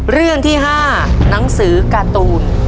เรื่องที่๕หนังสือการ์ตูน